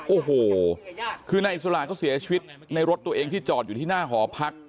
โอ้โหคือนายอิสระเขาเสียชีวิตในรถตัวเองที่จอดอยู่ที่หน้าหอพัก